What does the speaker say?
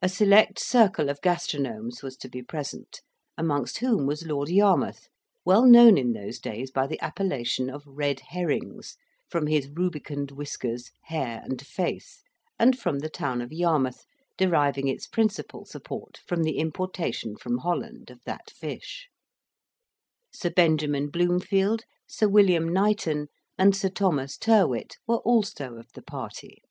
A select circle of gastronomes was to be present, amongst whom was Lord Yarmouth, well known in those days by the appellation of "Red herrings," from his rubicund whiskers, hair, and face, and from the town of Yarmouth deriving its principal support from the importation from Holland of that fish; Sir Benjamin Bloomfield, Sir William Knighton, and Sir Thomas Tyrwhitt, were also of the party.